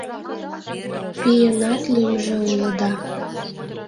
Пийынат лӱмжӧ уло да...»